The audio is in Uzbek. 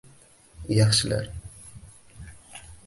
Yaxshilar